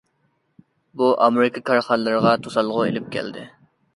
بۇ ئامېرىكا كارخانىلىرىغا توسالغۇ ئېلىپ كەلدى.